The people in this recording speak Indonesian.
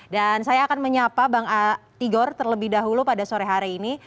dan saya akan menyapa bang tigor terlebih dahulu pada sore hari ini